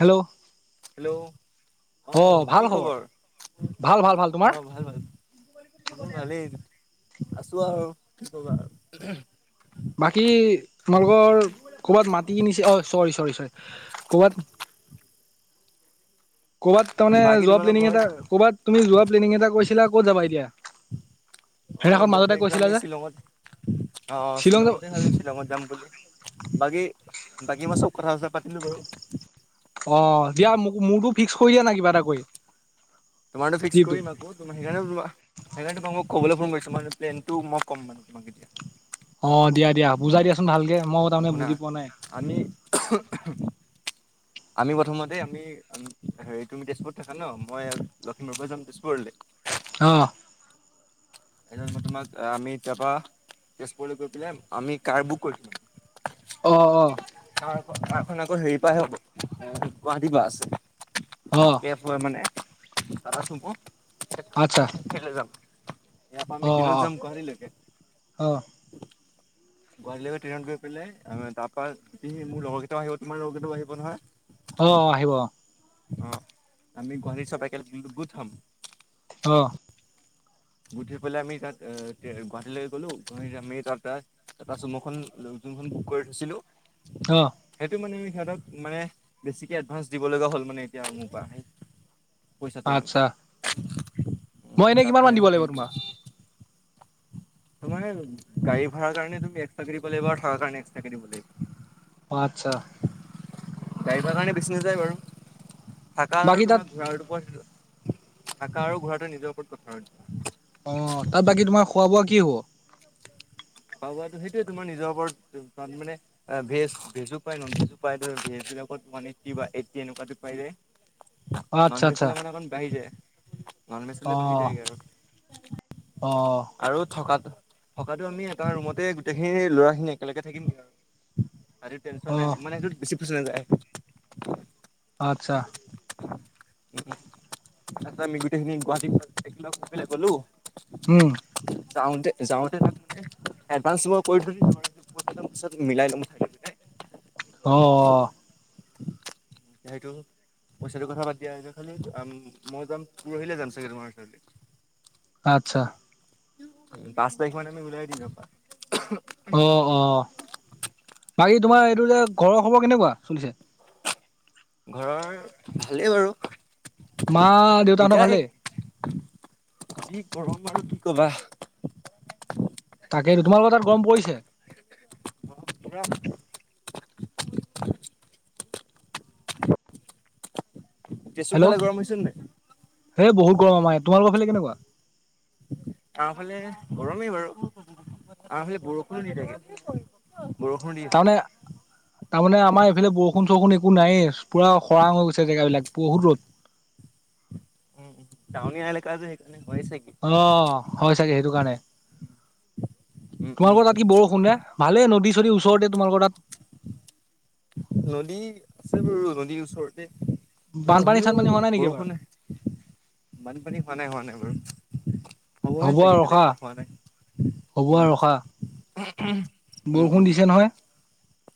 Hello hello! অ আহ ভাল কি খবৰ? ভাল ভাল ভাল তোমাৰ আহ ভাল ভাল। মোৰ ভালেই আছো আৰু কি কবা আৰু। বাকী তোমালোকৰ ক'বাত মাটি কিনিছে অ চৰি চৰি চৰি কৰ'বাত কৰবাত তাৰে বাকী যোৱা তোমালোকৰ প্লেনিং ঘৰত এটা ক'বাত তুমি যোৱা প্লেনিং এটা কৈছিলা ক'ত যাবা এতিয়া? অ, সেইদিনাখন যোৱা মাজতে প্লেনটো কৈছিলা আমি যে শ্বিলঙত অ শ্বিলং যাব শ্বিলঙতে ভাবিছো শ্বিলঙত যাম বুলি। বাকী, বাকী মই চব কথা চথা পাতিলো বাৰু। অ, দিয়া মোক মোৰো ফিক্স কৰি দিয়া নাই কিবা এটা কৰি। তোমাৰতো ফিক্স ট্ৰিপটোত কৰি আক। সেই সেইকাৰণে তোমাক ক'বলৈ ফোন কৰিছো মই প্লেনটো মই ক'ম মানে তোমাক। অ দিয়া দিয়া বুজাই দিয়াচোন ভালকে মই তাৰমানে শুনা বুজি পোৱা নাই। আমি আমি প্ৰথমতে আমি হেৰি তুমি তেজপুৰত থাকা ন মই লখিমপুৰৰ পৰা যাম তেজপুৰলৈ অ। তাৰপিছত মই তোমাক আমি তাৰপৰা তেজপুৰলৈ গৈ পেলাই আমি কাৰ বুক কৰিম অহ অহ কাৰ খন আকৌ হেৰি পৰাহে হ'ব গুৱাহাটীৰ পৰা অ আছে কেব মানে আচ্ছা [unintelligible] খেলে যাম। এয়াৰ পৰা আমি অ ট্ৰেইনত অ যাম গুৱাহাটী অ লৈকে। গুৱাহাটীলৈকে ট্ৰেইন গৈ পেলাই তাৰপৰা হেই মোৰ লগৰ কেইটাও আহিব তোমাৰ লগৰ কেইটাও আহিব নহয়। [inaudible] অ অ আহিব অঁ। অ', আমি গুৱালীৰ চবাই কেল গু থাম। অ'। গুঠি পেলাই আমি তাত গুৱাহাটীলৈ গ'লো গুৱাহাট আমি তাত তাত। তাৰপাছত মইখন যোনখন বুক কৰি থৈছিলো। অ'। সেইটো মানে সিহঁতক মানে বেছিকে এডভান্ঞ্চ দিব লগা হ'ল মানে এতিয়া মোৰ পৰা। পইচাটো মানে। আচ্ছা মই এনেই কিমান তাপে মান দিব লাগিব সেইটো তোমাক। ত মানে গাড়ী ভড়াৰ কাৰণে তুমি একস্ৰা কৰিব লাগিব আৰু থাৰ কাৰণে এক্স্ৰা কৰিব দ লাগিব। অ আচছা। গাইব কাৰণে বিছনে যায় বাৰু। থাকা আৰু বাকী তাত তোমাৰ ঘোঁৰাটোৰ থাকা আৰু ঘোঁৰাটোোৱে নিজৰ ওপৰত পথাৰ। অ তাত বাকী তোমাৰ খোৱা বোৱা কি হব। খোৱা বোৱাটো সেইটোয়ে তোমাৰ নিজৰ ওপৰত মানে। ভেজ ভেজো পায় নন ভেজো পায় ভেজ বিলাকতান এইটট একুৱ পাই যায়। নন আচ্ছা ভেজ আচ্ছা হ'লে মানে অকণ বাঢ়ি যায় নন ভেজ অ হলে বাঢ়ি যায়গৈ আৰু। অ'। আৰু থকাো থকাটো আমি এটা ৰুমতে গোটেইখিনি ল'ৰা খিনি একেলগে থাকিমগে আৰু। আৰু টেনশ্যন অ নাই মানে বেছি পছ নাযায়। আচ্ছা। আচছা আমি গোটেইখিনি গুৱাহাটীতেলাই গ'লো। উম যাওঁতে এভই মিলাই লম। লৈ পেলাই অ অ। সেইটো, পইচাটো কথা পা দিয়া, খালি মই যাম, পৰহিলে যাম চাগে তোমাৰ ঘ। আচ্ছা। উ পাঁচ তাৰিখ মান আমি উওলাই দিম ইয়াৰ পা। অ-অ, বাকী তোমাৰ এইটো যে, ঘৰৰ খবৰ কেনেকুৱা চলিছে। ঘৰৰ, ভালেই বাৰু। মা দেউতাহঁতৰ ভালেই। কি গৰম বাৰু কি ক'বা। তাকেই। তোমালোকৰ তাত গম পৰিছে। উম। তেজপুৰ ফালে গৰম হৈছে ন নাই। হ বহু গৰম হয়, তোমালোকৰ ফালে কেনেকুৱা। আমাৰফালে গৰমেই বাৰু, আমাৰফালে বৰষুণো দি থাকে। বৰষুণ দি আছে। তাৰমানে তাৰমানে আমাৰ এইফালে বৰষুণ চৰষুণ একো নায়েই, পুৰা খৰাং হৈ গৈছে জেগাবিলাক, বহুত ৰ'দ। উম-উ, টাউনীয়া এলেকা যে সেইকাৰণে হয় চাগে। অ, হয় চাগে সেইটো কাৰণে। উম, উম। তোমালোকৰ তাত কি বৰষুণে, ভালেই নদী চদী ওচৰতে তোমালোকৰ তাত। নদী আছে বাৰু নদীৰ ওচৰতে। অ বানপানী হলেও চানপানী হোৱা নাই নেকি এবাৰ বৰষুণ নাই, বানপানী হোৱা নাই হোৱা নাই বাৰু। হ'বে হ'ব আৰু চাগে ৰখা বেলেগে, হোৱা নাই, হ'ব আৰু উম। ৰখা বৰষুণ উম-উম, দিছে নহয় উ-উ।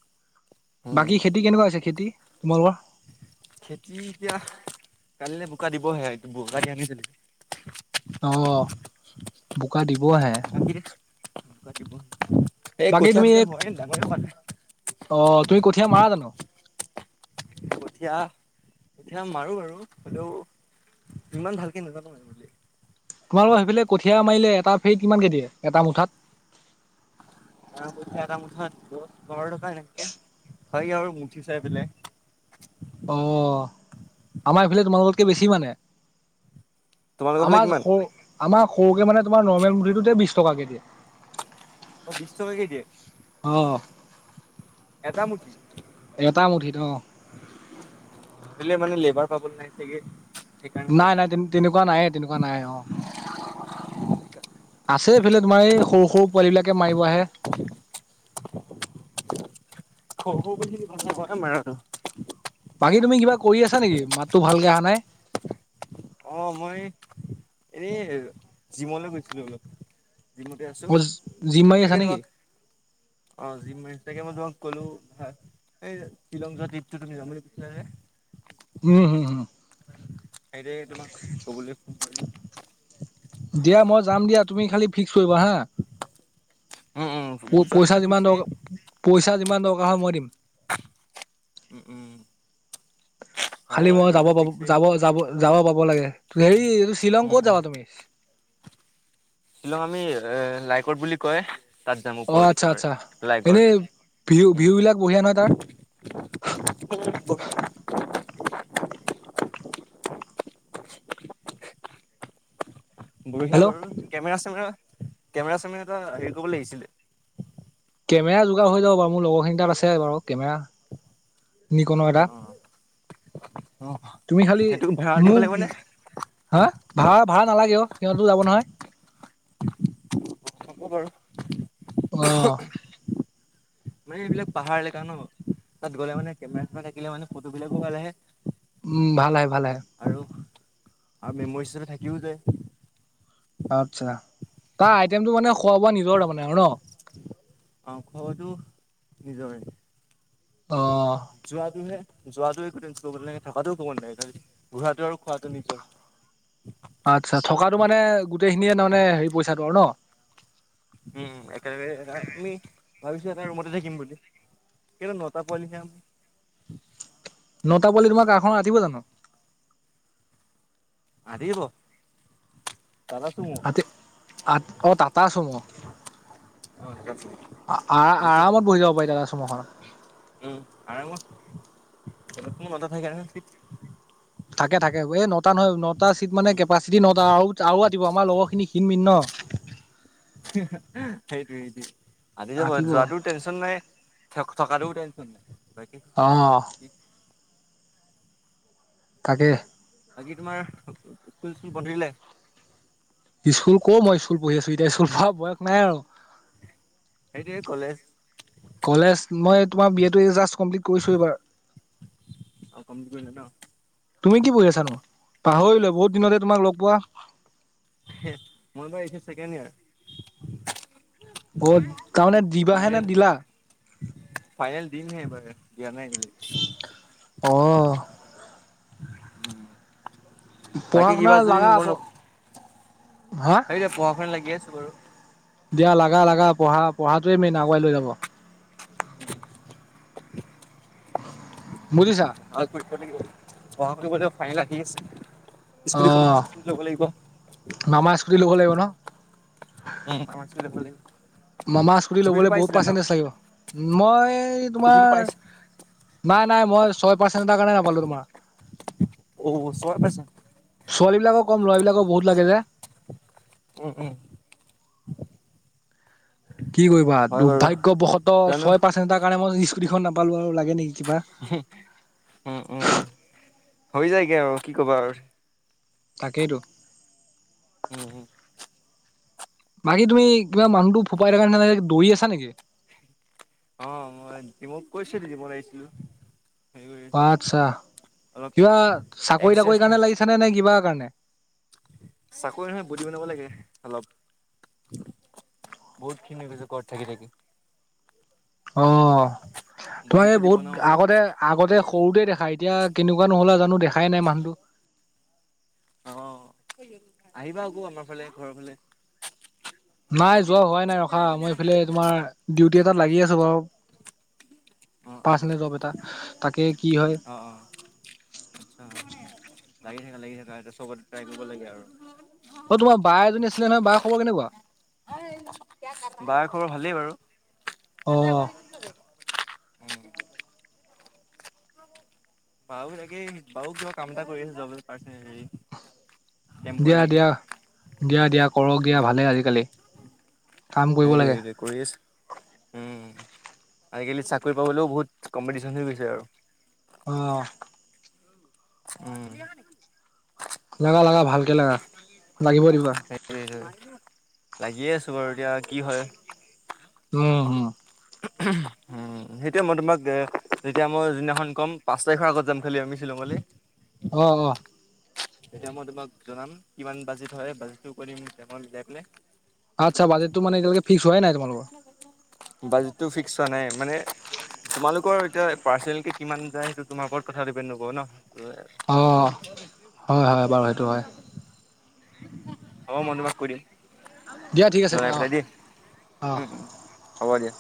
বাকী খেতি কেনেকুৱা হৈছে, খেতি তোমালোকৰ। খেতি এতিয়া, কালিলে বোকা দিবহে, বোকা দিয়া নাই এতিয়ালৈকে। অ' বোকা দিবে বাকী তুমি [unintelligible] অ, তুমি কঠীয়া মাৰা জানো। কঠীয়া- কঠীয়া মাৰো বাৰু কিন্তু ইমান ভালকে নাজানো মাৰিবলে। তোমালোকৰ সেইফালে কঠীয়া মাৰিলে, এটা ফেৰিত কিমানকে দিয়ে? এটা মুঠাত? [unintelligible] এটা মুঠা দহ বাৰ টকা এনেকে, হয় আৰু মুঠি চাই পেলাই। অ', আমাৰ এইফালে তোমালোকতকে বেছি মানে। তোমালোকৰ ফালে আমাৰ কিমান? স, আমাৰ সৰুকে মানে তোমাৰ নৰ্মেল মুঠিটোতে বিশ টকাকে দিয়ে। অ, বিশ টকাকে দিয়ে। অ', অ' এটামুঠি। এটা মুঠিত অ'। [unintelligible] লেবাৰ [unintelligible] নাই চাগে ন। নাই, তেন তেনেকুৱা নায়ে তেনেকুৱা নাই, অ'। আছে এইফালে তোমাৰ, এই সৰু সৰু পোৱালী বিলাকে মাৰিব আহে। [unintelligible] বাকী তুমি কিবা কৰি আছা নেকি, মাতটো ভালকে অহা নাই। অ, মই এই, এই জিমলৈ গৈছিলো অলপ। জিমতে আছো। অ [unintelligible] [unintelligible] জিম মাৰি আছা নেকি এই শ্বিলং যোৱা ট্ৰিপটো তুমি যাম বুলি কৈছিলা যে। উম, উম, উম সেইটোয়েই তোমাক ক'বলৈ ফোন কৰিলো। দিয়া মই যাম দিয়া, তুমি খালী ফিক্স কৰিবা হা। উম উম প পইচা যোৱাটোতো যিমান ফিক্সেই দৰকা, পইচা যিমান দৰকাৰ হয় মই দিম। উম', উম। হ'ব খালি বাৰু মই যাব যোৱাটো পাব, ফিক্সেই। যাব, যাব, যাব পাব লাগে, হেৰি, এই শ্বিলং উম ক'ত উম যাবা তুমি। শ্বিলং আমি এ লাইকট বুলি কয় তাত যাম অ ওপৰত আচ্ছা একেবাৰে আচ্ছা লাইকত, এনেই ভিউ উম। ভিউ [inaudible] বিলাক বঢ়িয়া নহয় তাৰ বঢ়িয়া হেল্ল' বাৰু, কেমেৰা চেমেৰা, কেমেৰা চেমেৰা এটা হেৰি কৰিব লাগিছিলে। কেমেৰা যোগাৰ হৈ যাব বাৰু, মোৰ লগৰখিনি তাত আছে বাৰু কেমেৰা নিকন এটা, অ', অ', তুমি খালি সেইটো ভাড়া দিব মোক লাগিব নে হা ভাড়া, ভাড়া নালাগে অ', সিহঁতো যাব নহয়। হ'ব বাৰু। অ' মানে এইবিলাক পাহাৰ এলেকা ন, তাত গ'লে মানে কেমেৰা চেমেৰা থাকিলে মানে ফটো বিলাকো ভাল আহে উম', ভাল আহে ভাল আহে। আৰু, আৰু মেমৰিজতে থাকিও যায়। আচ্ছা, তাৰ আইটেমটো মানে খোৱা বোৱা নিজৰ তাৰমানে আৰু ন। মাংখ হয়টো নিজৰ লাগিব। অ যোৱা তুহে যোৱাতো একো টেনচন লব নালাগে, থকাতো ও কৰিব নালগে, খালী ঘোঁৰাটো আৰু খোৱাটো নিজৰ। আচ্ছা, থকাটো মানে গোটেইখিনিয়ে তাৰমানে হেৰি পইচাটো আৰু ন। উম একেলগ আমি ভাবিছো এটা ৰুমতে থাকিম বুলি। [inaudible] নটা পোৱালি তোমাৰ কাৰখনত আতিব জানোঁ? আতিব। আতি আ টাটা চুমো। অ টাটা চুমু। আৰামত বহি যাব পাৰি টাটা চমু খনত। উম আৰামত [inaudible] থাকে থাকে এই নটা নহয় নটা চিট মানে কেপাচিটি নটা আৰু আৰু আতিব আমাৰ লগৰ খিনি মিন ন। সেইটো সেইটো আটি যাব আতিব যোৱাটো টেনচন নাই থকাটোও টেনচন নাই বাকী অঁ। তাকে। বাকী তোমাৰ স্কুল স্কুল বান্ধিলে? স্কুল ক মই স্কুল পঢ়ি আছো এতিয়া স্কুলীয়া বয়স নাই আৰু। সেইটোৱেই কলেজ? কলেজ মই তোমাৰ বি এটো জাষ্ট কমপ্লিট কৰিছো এইবাৰ। অ কমপ্লিট কৰিলে ন। তুমি কি পঢ়ি আছানো পাহৰিলেোৱা বহুত দিনতে তোমাক লগ পোৱা। মই এই বাৰ ছেকেণ্ড ইয়াৰ। অ তাৰমানে দিবাহে নে দিলা? ফাইল দিমহে এই বাৰ দিয়া নাই এতিয়া লৈকে। অ। পঢ়া বাকী শুনা কিবা যদি লাগা মই হা হেতিয়া পঢ়া শু লাগি আছো বাৰু দিয়া লগা লগা পঢ়া পঢ়াটোৱে মেইন আগুৱাই লৈ যাব। বুজিছা? [inaudible] অ স্কুটিখন মামা দিব ল'ব লাগিব। মামা স্কুটি ল'ব লাগিব ন। অ আমাৰ স্কুটি ল'ব লাগিব। মামা স্কুটি তুমিতো ল'বলৈ বহুত পাইছিলা ন পাৰ্চেণ্টিজ লাগিব মই তুমিতো তোমাৰ পাইছা নাই নাই মই ছয় পাৰ্চেণ্টৰ কাৰণে নাপালো তোমাৰ। অ ছয় পাৰ্চেণ্টৰ। ছোৱালীবিলাকৰ কম ল'ৰা বিলাকৰ বহুত লাগে যে। উম', উম। কি কৰিবা আৰু হয় বাৰু দুৰ্ভাগ্যবশত জানো ছয় পাৰ্চেণ্ট এটাৰ কাৰণে, মই স্কুটিখন নাপালোঁ আৰু লাগে নেকি কিবা। উম', উম হৈ যায়গে আৰু কি ক'বা আৰু। তাকেই টো। উম', উম। বাকী তুমি কিবা মানুহটো ফোপাই থাকাৰ নিচিনা লাগে, দৌৰি আছা নেকি? [inaudible] কৰি অ' আছিলো আচ্ছা, অলপ কিবা, চাকৰি- এক্সাৰচাইজ তাকৰি কাৰণে কৰি লাগিছা নে? নে কিবা কাৰণে চাকৰি নহয় বডি বনাব লাগে অলপ। বহুত ক্ষিণ হৈ গৈছে ঘৰত থাকি থাকি। অ' তোমাক বডি এই চডি বহুত বনাও অলপ আগতে আগতে সৰুতে দেখা এতিয়া কেনেকুৱা নো হলা জানো দেখাই নাই মানুহটো। অ', আহিবা আকৌ আমাৰ ফালে ঘৰৰ ফালে। নাই যোৱা হোৱাই নাই ৰখা, মই এইফালে তোমাৰ, ডিউটি এটাত লাগি আছোঁ বাৰু। অ অ পাৰ্চনেল জব এটা, তাকে কি হয় অ'। অ [unintelligible] লাগি থাকা, লাগি থাকা এতিয়া চবতে ট্ৰাই কৰিব লাগে আৰু। অ' তোমাৰ বা এজনী আছিলে নহয়, বাৰ খবৰ কেনেকুৱা? বাৰ খবৰ ভালেই অ বাৰু। বাও একে, বাও কিবা কাম এটা কৰি আছে জব হে পাৰ্চনেল হেৰি দিয়া, টেম্পৰাৰীকে দিয়া, দিয়া, দিয়া কৰক উম দিয়া ভালেই আজিকালি। কাম কৰিব সেইটোৱে, লাগে। সেইটোৱে। কৰি আছে। উম', আজিকালি চাকৰি পাবলৈও বহুত, কম্পিটিশনহে হৈছে আৰু। অ'। উম'। লাগা লাগা ভালকে লাগা, লাগিব দিবা। এইটোৱে, লাগিয়ে আছোঁ বাৰু এতিয়া কি হয়? অ', অ'। উহ উম' উম', সেইটোয়ে মই তোমাক এ, যেতিয়া মই যোনদিনাখন ক'ম পাঁচ তাৰিখৰ আগত যাম খালি আমি শ্বিলঙলে। অ', অ'। তেতিয়া মই তোমাক জনাম কিমান বাজেট হয়, বাজেটটো কৈ দিম হিচাপ ওলাই পেলাই। আচ্ছ, বাজেটটো মানে এতিয়ালৈকে ফিক্স হোৱাই নাই তোমালোকৰ? বাজেটটো ফিক্স হোৱা নাই মানে তোমালোকৰ এতিয়া পাৰ্চনেল কিমান যায়, সেইটো তোমাৰ ওপৰত কথা দিপেণ্ড নকৰোঁ ন উম এ অ', হয়' হয়' বাৰু হয় উম', হ'ব মই তোমাক কৈ দিম। দিয়া ঠিক আছে লগাই দিয়া অ পেলাই দি, অ। উম উম হ'ব দিয়া।